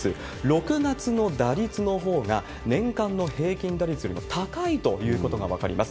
６月の打率のほうが、年間の平均打率よりも高いということが分かります。